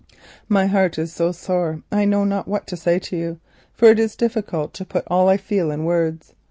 My heart is so sore I know not what to say to you, for it is difficult to put all I feel in words.